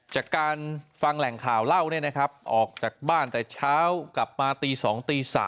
จากการฟังแหล่งข่าวเล่าออกจากบ้านแต่เช้ากลับมาตี๒ตี๓